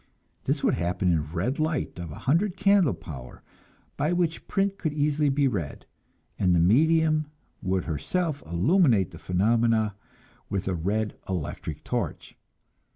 This would happen in red light of a hundred candle power, by which print could be easily read; and the medium would herself illuminate the phenomena with a red electric torch.